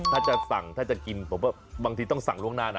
ถ้าจะสั่งกินบางทีต้องสั่งล่วงหน้านะ